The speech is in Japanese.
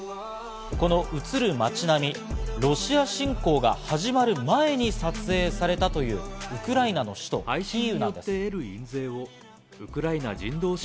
この映る街並み、ロシア侵攻が始まる前に撮影されたというウクライナの首都キーウなんです。